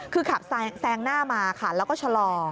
คือขับแซงหน้ามาค่ะแล้วก็ชะลอ